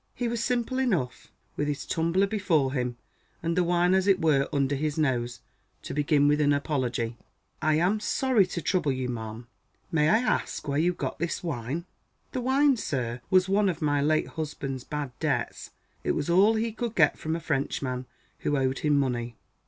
He was simple enough with his tumbler before him, and the wine as it were under his nose to begin with an apology. "I am sorry to trouble you, ma'am. May I ask where you got this wine?" "The wine, sir, was one of my late husband's bad debts. It was all he could get from a Frenchman who owed him money."